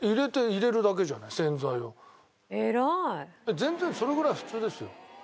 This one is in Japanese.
全然それぐらい普通ですよ。